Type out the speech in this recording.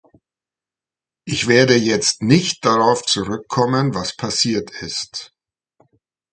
Ich werde jetzt nicht darauf zurückkommen, was passiert ist.